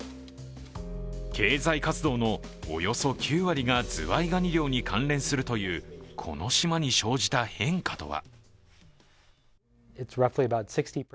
経済活動のおよそ９割がズワイガニ漁に関連するというこの島に生じた変化とは。